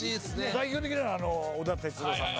代表的なのは織田哲郎さんの。